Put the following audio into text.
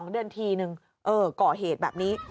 ๒เดือนทีนึงก่อเหตุแบบนี้